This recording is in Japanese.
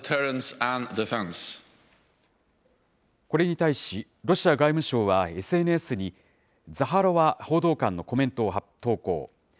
これに対し、ロシア外務省はＳＮＳに、ザハロワ報道官のコメントを投稿。